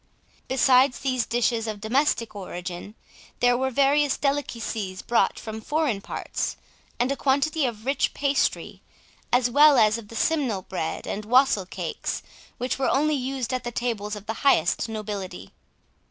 Besides these dishes of domestic origin, there were various delicacies brought from foreign parts, and a quantity of rich pastry, as well as of the simnel bread and wastle cakes, which were only used at the tables of the highest nobility.